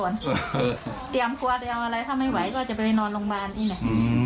รับภาษาเตรียร์ขอว่าจะเอาอะไรเรียนไว้ก็จะไปนอนโรงพยาบาลทีนี้